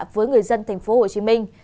với người dân thành phố hồ chí minh